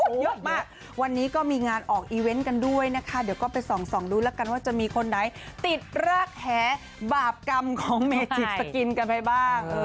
เยอะมากวันนี้ก็มีงานออกอีเวนต์กันด้วยนะคะเดี๋ยวก็ไปส่องดูแล้วกันว่าจะมีคนไหนติดรากแหบาปกรรมของเมจิตสกินกันไปบ้าง